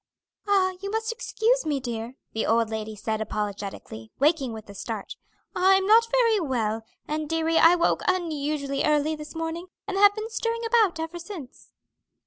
"Ah, you must excuse me, dear," the old lady said apologetically, waking with a start; "I'm not very well, and, deary, I woke unusually early this morning, and have been stirring about ever since."